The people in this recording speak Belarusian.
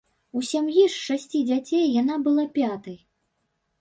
У сям'і з шасці дзяцей яна была пятай.